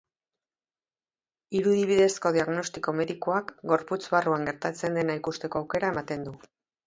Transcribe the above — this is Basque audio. Irudi bidezko diagnostiko medikoak gorputz barruan gertatzen dena ikusteko aukera ematen du.